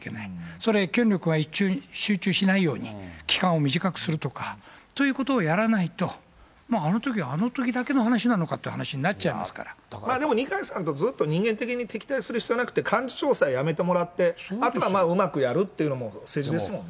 それは権力が集中しないように、期間を短くするとか、ということをやらないと、あのときはあのときだけの話なのかっていう話になっちゃいますかでも、二階さんとずっと人間的に敵対する必要なくて、幹事長さえ辞めてもらって、あとはまあ、うまくやるっていうのも政治ですもんね。